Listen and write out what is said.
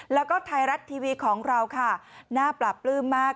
แล้วก็ไทยรัฐทีวีของเราค่ะน่าปราบปลื้มมาก